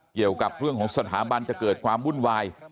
เกี่ยวกับเรื่องของสถาบันจะเกิดความวุ่นวาย